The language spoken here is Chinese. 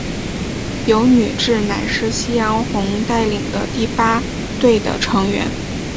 油女志乃是夕日红带领的第八队的成员。